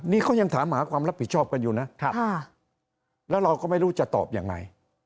นี่เขายังถามหาความรับผิดชอบกันอยู่นะแล้วเราก็ไม่รู้จะตอบยังไง